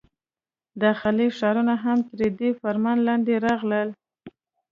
داخلي ښارونه هم تر دې فرمان لاندې راغلل.